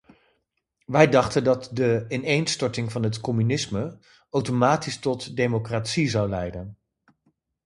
Wij dachten dat de ineenstorting van het communisme automatisch tot democratie zou leiden.